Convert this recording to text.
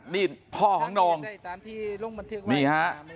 นี่พ่อของโน่งนี่ฮะ